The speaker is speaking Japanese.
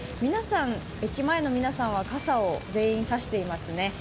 駅前の皆さんは全員が傘を差していますね。